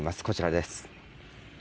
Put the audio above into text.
こちらです。